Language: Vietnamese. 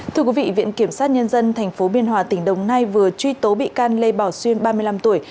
thưa quý vị viện kiểm sát nhân dân tp biên hòa tỉnh đồng nai vừa truy tố bị can lê bảo xuyên ba mươi năm tuổi